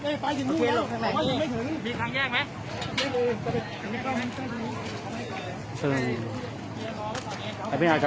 แพทย์มาแล้วเพียงที่มีความแย่งไหม